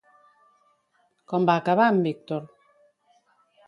Com va acabar en Víctor?